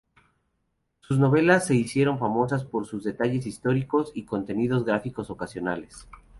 Sus novelas se hicieron famosas por sus detalles históricos y contenidos gráficos ocasionales.